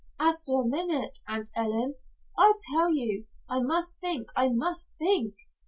"After a minute, Aunt Ellen, I'll tell you. I must think, I must think."